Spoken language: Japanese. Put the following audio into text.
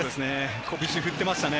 拳、振ってましたね。